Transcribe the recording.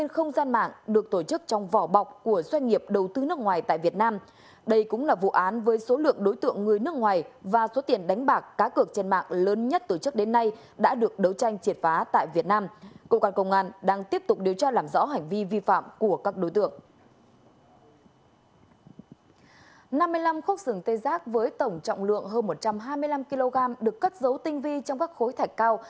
năm mươi năm khúc sừng tê giác với tổng trọng lượng hơn một trăm hai mươi năm kg được cất dấu tinh vi trong các khối thạch cao